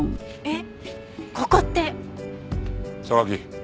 えっ？